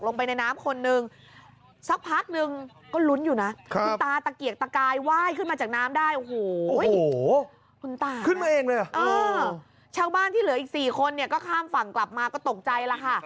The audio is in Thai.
ชาวบ้านที่เหลืออีก๔คนเนี่ยก็ข้ามฝั่งกลับมาก็ตกใจแล้วค่ะ